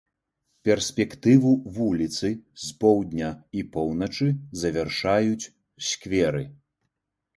Перспектыву вуліцы з поўдня і поўначы завяршаюць скверы.